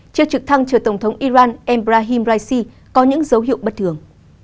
chiếc trực thăng chở tổng thống iran ebrahim raisi có những dấu hiệu bất thường